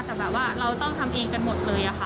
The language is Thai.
แต่แบบว่าเราต้องทำเองกันหมดเลยค่ะ